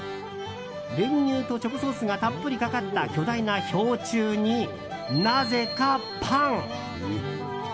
練乳とチョコソースがたっぷりかかった巨大な氷柱になぜか、パン。